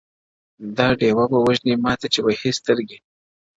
دا ډېوه به ووژنې’ ماته چي وهې سترگي’